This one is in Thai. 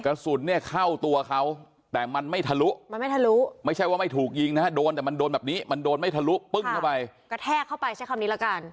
กระสุนเนี่ยเข้าตัวเขาแต่มันไม่ทะลุมันไม่ทะลุไม่ใช่ว่าไม่ถูกยิงนะฮะโดนแต่มันโดนแบบนี้มันโดนไม่ทะลุปึ้งเข้าไปกระแทกเข้าไปใช้คำนี้ละกัน